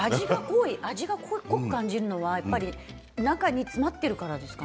味が濃く感じるのは中に詰まっているからですか？